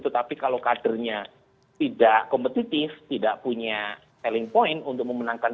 tetapi kalau kadernya tidak kompetitif tidak punya selling point untuk memenangkan dua ribu dua puluh empat